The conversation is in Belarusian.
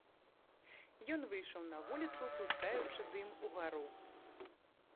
Ён выйшаў на вуліцу, пускаючы дым угару.